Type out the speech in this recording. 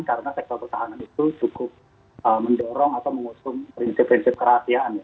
karena sektor pertahanan itu cukup mendorong atau mengusung prinsip prinsip kerahasiaan ya